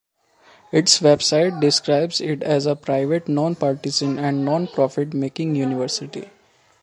Its website describes it as a private, nonpartisan and non-profit making university.